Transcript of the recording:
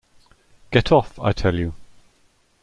Get off, I tell you.